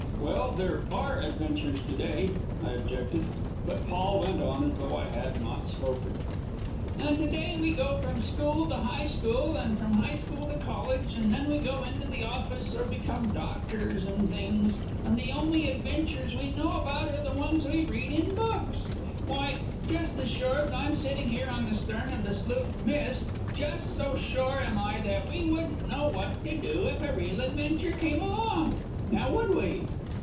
"Well there are adventures today," I objected. But Paul went on as though I had not spoken: "And today we go from school to high school, and from high school to college, and then we go into the office or become doctors and things, and the only adventures we know about are the ones we read in books. Why, just as sure as I'm sitting here on the stern of the sloop Mist, just so sure am I that we wouldn't know what to do if a real adventure came along. Now, would we?"